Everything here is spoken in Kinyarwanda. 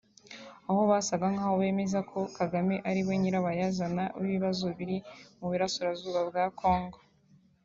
Aho basaga nk’aho bemeza ko Kagame ariwe nyirabayazana w’ibibazo biri mu burasirazuba bwa Congo